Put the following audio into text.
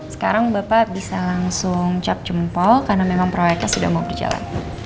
sekarang bapak bisa langsung cap jempol karena memang proyeknya sudah mau berjalan